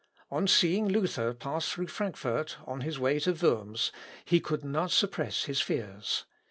On seeing Luther pass through Frankfort on his way to Worms, he could not suppress his fears.